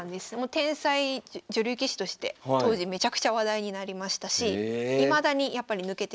天才女流棋士として当時めちゃくちゃ話題になりましたしいまだにやっぱり抜けてないです。